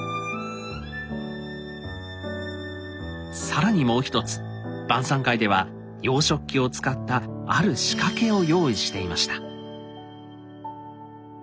更にもう一つ晩さん会では洋食器を使ったある仕掛けを用意していました。